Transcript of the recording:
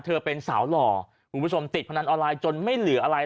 เธอเป็นสาวหล่อคุณผู้ชมติดพนันออนไลน์จนไม่เหลืออะไร